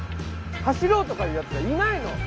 走ろうとかいうやつはいないの。